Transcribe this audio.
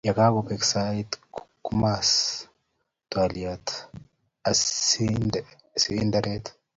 Yakakobek sait kumas twoliat askarident.